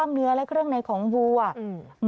อยู่ในกล้ามเนื้อและเครื่องในของวูอ่ะอืม